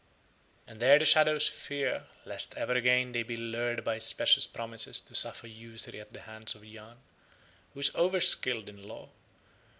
And there the shadows fear lest ever again they be lured by specious promises to suffer usury at the hands of Yahn, who is overskilled in Law.